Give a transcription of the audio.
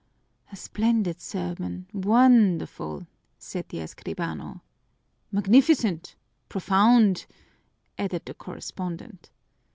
"A splendid sermon wonderful!" said the escribano. "Magnificent profound!" added the correspondent.